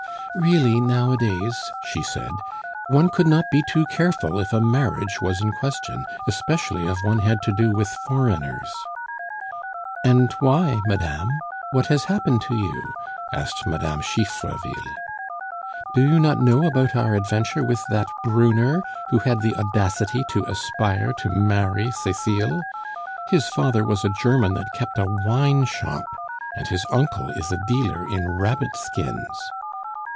"Really, nowadays" (she said), "one could not be too careful if a marriage was in question, especially if one had to do with foreigners." "And why, madame?" "What has happened to you?" asked Mme. Chiffreville. "Do you not know about our adventure with that Brunner, who had the audacity to aspire to marry Cecile? His father was a German that kept a wine shop, and his uncle is a dealer in rabbit skins!"